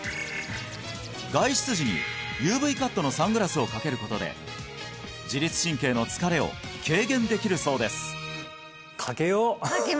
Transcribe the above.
外出時にＵＶカットのサングラスをかけることで自律神経の疲れを軽減できるそうです